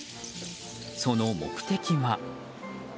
その目的は。